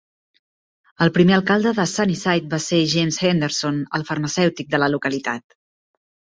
El primer alcalde de Sunnyside va ser James Henderson, el farmacèutic de la localitat.